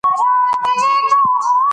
مایکروویو کې خواړه وښوروئ.